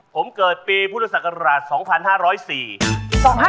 ผมเกิดปีพุธศักดิ์ภาคศักดิ์อ่าน๒๕๔